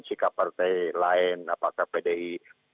sikap partai lain apakah pdi